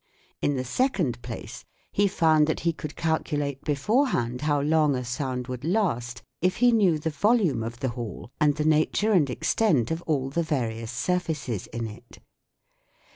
In the second place, he found that he could calculate beforehand how long a sound would last if he knew the volume of the hall and the nature and extent of all the various surfaces in it.